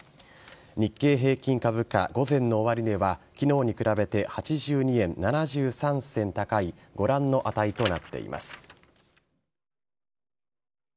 日経平均株価、午前の終値は昨日に比べて８２円７３銭高いご覧の値となっています。